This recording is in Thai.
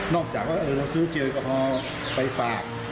นอกจากว่าเออเราซื้อเจียร์กระเพาะไปฝาก